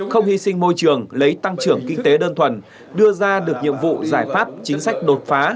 không hy sinh môi trường lấy tăng trưởng kinh tế đơn thuần đưa ra được nhiệm vụ giải pháp chính sách đột phá